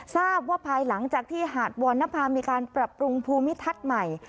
ทราบว่าภายหลังจากที่หาดวรณภามีการปรับปรุงภูมิทัศน์ใหม่